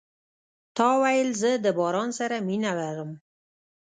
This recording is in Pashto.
تا ویل زه د باران سره مینه لرم .